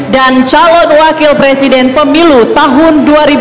dan calon wakil presiden pemilu tahun dua ribu dua puluh empat